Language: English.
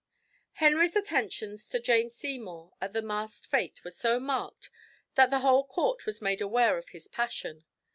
Henry's attentions to Jane Seymour at the masqued fete were so marked, that the whole court was made aware of his passion.